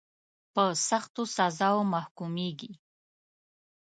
په سختو سزاوو محکومیږي.